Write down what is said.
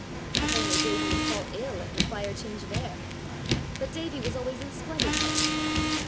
If only Davie would fall ill, and require change of air! But Davie was always in splendid health!